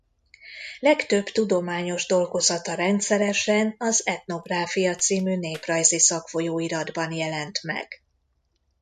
Legtöbb tudományos dolgozata rendszeresen az Ethnographia c. néprajzi szakfolyóiratban jelent meg.